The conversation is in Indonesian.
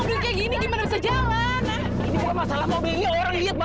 sampai jumpa di video selanjutnya